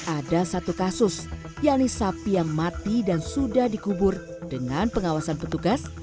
ada satu kasus yaitu sapi yang mati dan sudah dikubur dengan pengawasan petugas